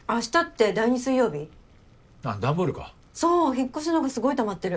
引っ越しのがすごい溜まってる。